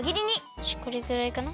よしこれぐらいかな？